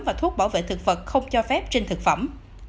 và thuốc bảo vệ thực vật không cho phép trên thực phẩm